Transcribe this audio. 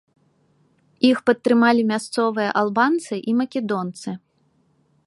Іх падтрымалі мясцовыя албанцы і македонцы.